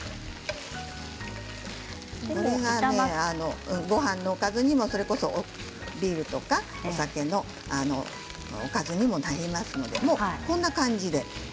これがね、ごはんのおかずにもそれこそ、ビールとかお酒のおかずにもなりますのでもうこんな感じで。